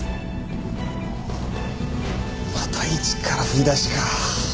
また一から振り出しか。